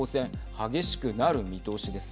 激しくなる見通しです。